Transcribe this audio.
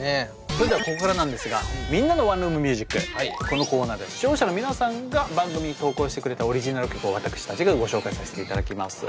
それではここからなんですがこのコーナーでは視聴者の皆さんが番組に投稿してくれたオリジナル曲を私たちがご紹介させていただきます。